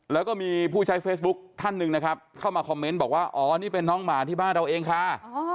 แล้วก็มีผู้ใช้เฟซบุ๊คท่านหนึ่งนะครับเข้ามาคอมเมนต์บอกว่าอ๋อนี่เป็นน้องหมาที่บ้านเราเองค่ะ